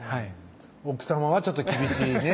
奥さまはちょっと厳しいね